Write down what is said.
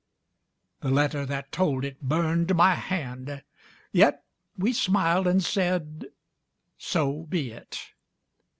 The letter that told it burned my hand. Yet we smiled and said, "So be it!"